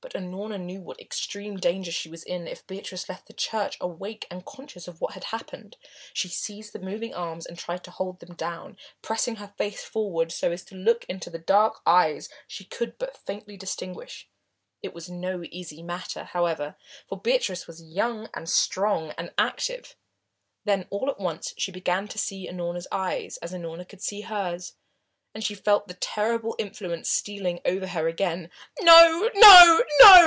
But Unorna knew what extreme danger she was in if Beatrice left the church awake and conscious of what had happened. She seized the moving arms and tried to hold them down, pressing her face forward so as to look into the dark eyes she could but faintly distinguish. It was no easy matter, however, for Beatrice was young and strong and active. Then all at once she began to see Unorna's eyes, as Unorna could see hers, and she felt the terrible influence stealing over her again. "No no no!"